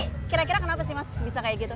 kira kira kenapa sih mas bisa kayak gitu